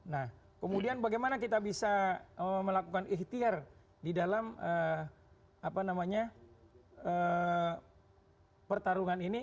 nah kemudian bagaimana kita bisa melakukan ikhtiar di dalam pertarungan ini